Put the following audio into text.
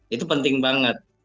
itu penting banget